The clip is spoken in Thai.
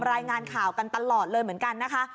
รายงานข่าวกันตลอดเลยเหมือนกันนะคะ